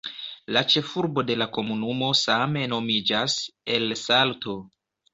La ĉefurbo de la komunumo same nomiĝas "El Salto".